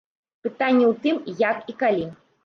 Пытанне ў тым, як і калі.